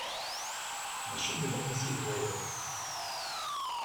Mačči d lqis i bɣiɣ.